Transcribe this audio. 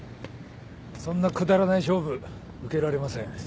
そんなくだらない勝負受けられません。